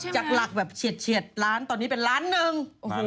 จากหลักแบบเฉียดล้านตอนนี้เป็นล้านหนึ่ง